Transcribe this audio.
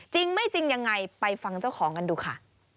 จริงไม่จริงยังไงไปฟังเจ้าของกันดูค่ะ